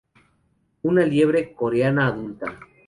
Una liebre coreana adulta.